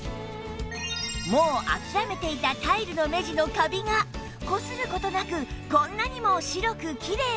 もう諦めていたタイルの目地のカビがこする事なくこんなにも白くきれいに